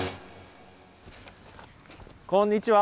こんにちは。